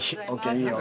いいよ。